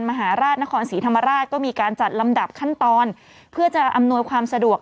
มหาราชนครศรีธรรมราชก็มีการจัดลำดับขั้นตอนเพื่อจะอำนวยความสะดวก